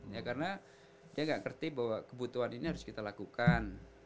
ya karena dia nggak ngerti bahwa kebutuhan ini harus kita lakukan